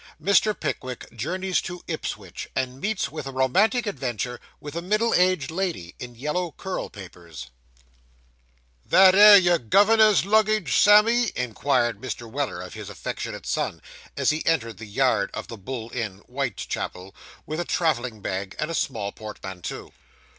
MR. PICKWICK JOURNEYS TO IPSWICH AND MEETS WITH A ROMANTIC ADVENTURE WITH A MIDDLE AGED LADY IN YELLOW CURL PAPERS That 'ere your governor's luggage, Sammy?' inquired Mr. Weller of his affectionate son, as he entered the yard of the Bull Inn, Whitechapel, with a travelling bag and a small portmanteau.